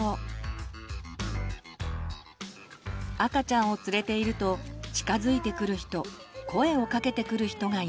赤ちゃんを連れていると近づいてくる人声をかけてくる人がいます。